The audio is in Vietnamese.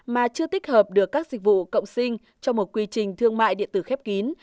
mà chưa tích hợp được các dịch vụ cộng sinh cho một quy trình thương mại điện tử khép kín